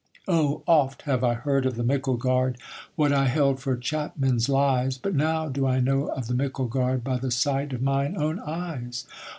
'Oh oft have I heard of the Micklegard, What I held for chapmen's lies; But now do I know of the Micklegard, By the sight of mine own eyes.